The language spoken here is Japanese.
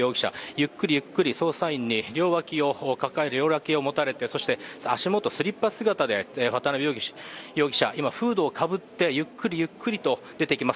ゆっくりゆっくり捜査員に両脇を持たれてそして足元スリッパ姿で渡辺容疑者、今、フードをかぶって、ゆっくり、ゆっくり出てきます。